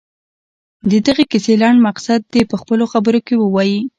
د دغې کیسې لنډ مقصد دې په خپلو خبرو کې ووايي.